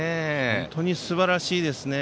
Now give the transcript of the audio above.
本当にすばらしいですね。